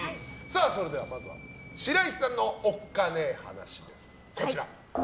それではまずは白石さんのおっカネ話です。